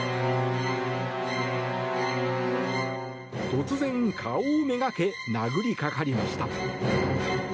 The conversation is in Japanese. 突然、顔を目がけ殴りかかりました。